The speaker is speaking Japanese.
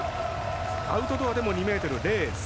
アウトドアでも２ｍ０３。